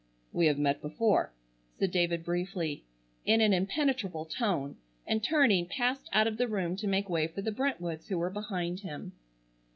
"We have met before," said David briefly in an impenetrable tone, and turning passed out of the room to make way for the Brentwoods who were behind him.